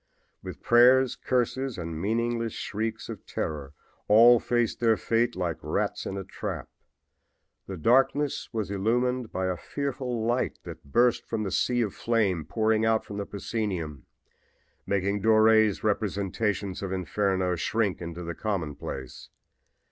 With prayers, curses and meaningless shrieks of terror all faced their fate like rats in a trap. The darkness was illumined by a fearful light that burst from the sea of flame pouring out from the proscenium, making Dore's representations of Inferno shrink into the commonplace.